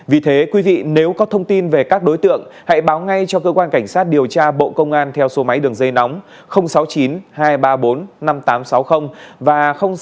vì thế quý vị nếu có thông tin về các đối tượng hãy báo ngay cho cơ quan cảnh sát điều tra bộ công an theo số máy đường dây nóng sáu mươi chín hai trăm ba mươi bốn năm nghìn tám trăm sáu mươi và sáu mươi chín hai trăm ba mươi một một nghìn sáu trăm